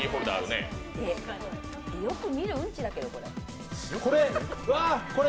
よく見るうんちだけど、これ。